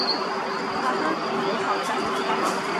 Ҡыҫҡаһы, был хаҡта һүҙ тамам!